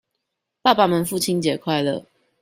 爸爸們父親節快樂！